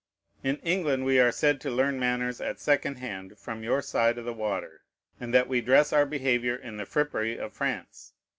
In England we are said to learn manners at second hand from your side of the water, and that we dress our behavior in the frippery of France.